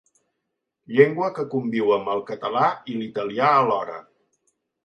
Llengua que conviu amb el català i l'italià alhora.